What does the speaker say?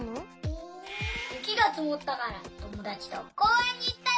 ゆきがつもったからともだちとこうえんにいったよ。